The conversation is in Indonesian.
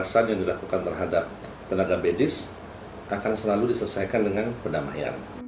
tindakan yang dilakukan oleh kedua oknum pelaku ini sangat melukai atau mencederai